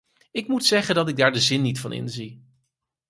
Ik moet zeggen dat ik daar de zin niet van inzie.